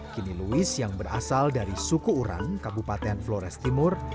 kini louis yang berasal dari suku uran kabupaten flores timur